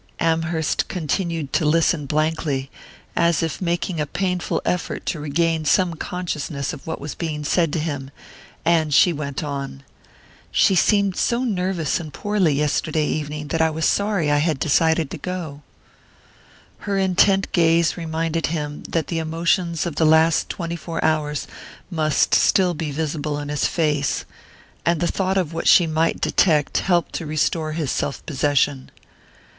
Amherst continued to listen blankly, as if making a painful effort to regain some consciousness of what was being said to him, and she went on: "She seemed so nervous and poorly yesterday evening that I was sorry I had decided to go " Her intent gaze reminded him that the emotions of the last twenty four hours must still be visible in his face; and the thought of what she might detect helped to restore his self possession.